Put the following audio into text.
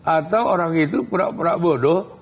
atau orang itu pura pura bodoh